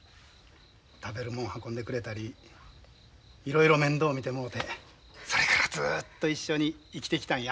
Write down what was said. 食べるもん運んでくれたりいろいろ面倒見てもうてそれからずっと一緒に生きてきたんや。